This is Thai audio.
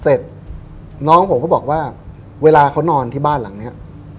เสร็จน้องผมก็บอกว่าเวลาเขานอนที่บ้านหลังนี้